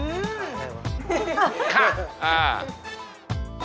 อืม